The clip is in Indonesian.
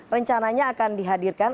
rencananya akan dihadirkan